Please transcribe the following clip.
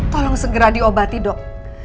tolong segera diobati dok